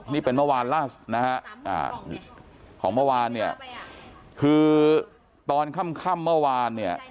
นี่เป็นเมื่อวานล่าสุดนะฮะของเมื่อวานเนี่ยคือตอนค่ำเมื่อวานเนี่ย